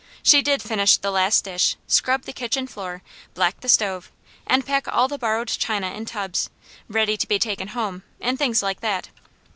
She did finish the last dish, scrub the kitchen floor, black the stove, and pack all the borrowed china in tubs, ready to be taken home, and things like that.